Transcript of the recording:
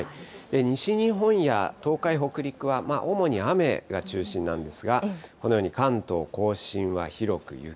西日本や東海、北陸は、主に雨が中心なんですが、このように、関東甲信は広く雪。